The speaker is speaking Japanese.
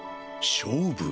勝負？